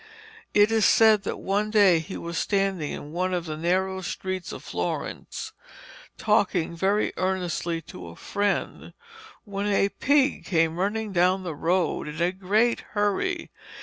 It is said that one day he was standing in one of the narrow streets of Florence talking very earnestly to a friend, when a pig came running down the road in a great hurry.